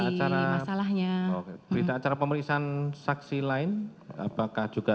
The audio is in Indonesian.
acara berita acara pemeriksaan saksi lain apakah juga